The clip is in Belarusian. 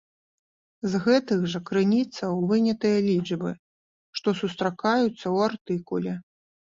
З гэтых жа крыніцаў вынятыя лічбы, што сустракаюцца ў артыкуле.